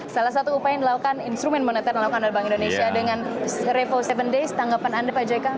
salah satu upaya yang dilakukan instrumen moneter yang dilakukan oleh bank indonesia dengan revo tujuh days tanggapan anda pak jk